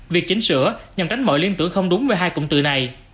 việc chính sửa nhằm tránh mọi liên tưởng không đúng về hai cụm từ này